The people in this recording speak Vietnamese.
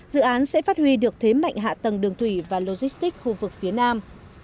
dự án sẽ phát huy được thế mạnh hạ tầng đường thủy và logistics khu vực phía nam